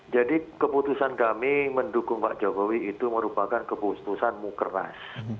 jadi keputusan kami mendukung pak jokowi itu merupakan keputusan mukernas